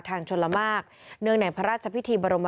ในเวลาเดิมคือ๑๕นาทีครับ